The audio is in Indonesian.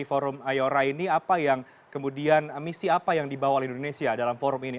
forum ayora ini apa yang kemudian misi apa yang dibawa oleh indonesia dalam forum ini